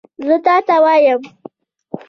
زه تا ته وایم !